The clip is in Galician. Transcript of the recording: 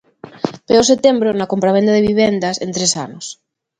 Peor setembro na compravenda de vivendas en tres anos.